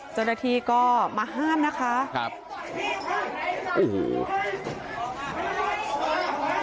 เจ้าหน้าที่ก็มาห้ามนะคะครับโอ้โห